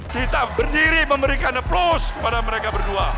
kita berdiri memberikan aplaus kepada mereka berdua